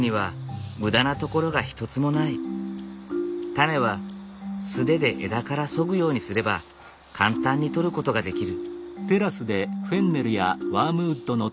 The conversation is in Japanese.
タネは素手で枝からそぐようにすれば簡単に取ることができる。